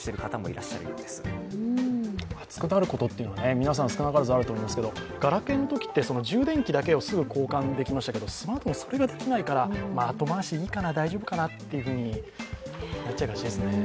皆さん、少なからずあると思いますけどガラケーのときって、充電器だけをすぐ交換できましたけどスマートフォンそれができないから後回しでいいかな、大丈夫かなってなっちゃいがちですね。